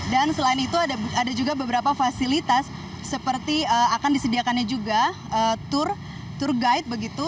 dan selain itu ada juga beberapa fasilitas seperti akan disediakannya juga tour guide begitu